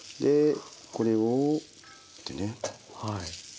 これをってね。